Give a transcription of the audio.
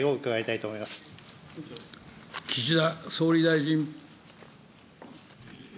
総岸田総理大臣。